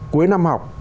cuối năm học